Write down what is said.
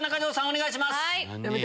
お願いします！